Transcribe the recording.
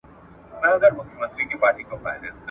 کیسه دي راوړه راته قدیمه ,